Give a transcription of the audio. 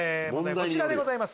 こちらでございます。